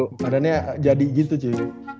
badannya jadi gitu sih